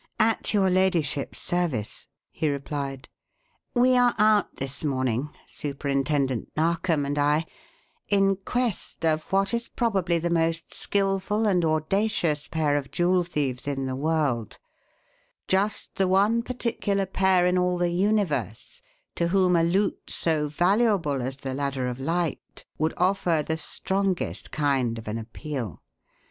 "At your ladyship's service," he replied. "We are out this morning Superintendent Narkom and I in quest of what is probably the most skilful and audacious pair of jewel thieves in the world just the one particular pair in all the universe to whom a loot so valuable as the Ladder of Light would offer the strongest kind of an appeal.